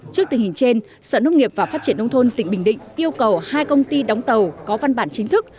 trước tình hình trên sở nông nghiệp và phát triển nông thôn tỉnh bình định yêu cầu hai công ty đóng tàu có văn bản chính thức